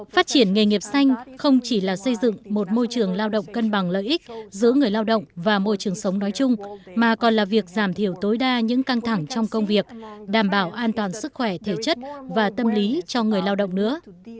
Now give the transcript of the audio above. phát triển nghề nghiệp xanh không chỉ là xây dựng một môi trường lao động cân bằng lợi ích giữa người lao động và môi trường sống nói chung mà còn là việc giảm thiểu tối đa những căng thẳng trong công việc đảm bảo an toàn sức khỏe thể chất và tâm lý cho người lao động nữa